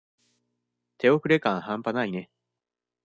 手遅れ感はんぱないね。